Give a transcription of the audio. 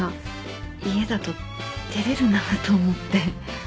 家だと照れるなと思って